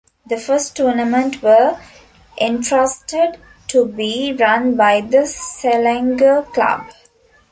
The first tournament were entrusted to be run by the Selangor Club.